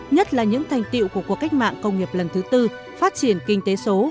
nhất là những thành tiệu của cuộc cách mạng công nghiệp lần thứ tư phát triển kinh tế số